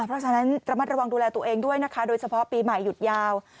เพราะฉะนั้นระมัดระวังดูแลตัวเองด้วยนะคะโดยเฉพาะปีใหม่หยุดยาว